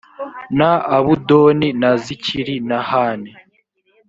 na abudoni na zikiri na han